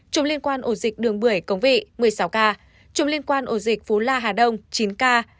chúng liên quan ổ dịch đường bưởi cống vị một mươi sáu ca trung liên quan ổ dịch phú la hà đông chín ca